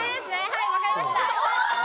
はいわかりました。